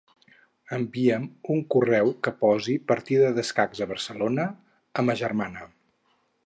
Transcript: Envia'm un correu que posi "partida d'escacs a Barcelona" a ma germana.